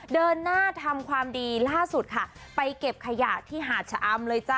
เดินหน้าทำความดีล่าสุดค่ะไปเก็บขยะที่หาดชะอำเลยจ้